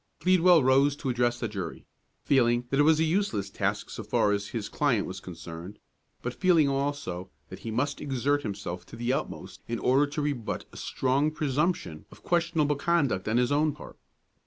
Pleadwell rose to address the jury, feeling that it was a useless task so far as his client was concerned, but feeling, also, that he must exert himself to the utmost in order to rebut a strong presumption of questionable conduct on his own part.